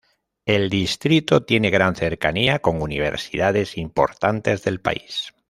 El distrito tiene gran cercanía con universidades importantes del país.